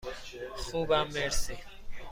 خوبم، مرسی.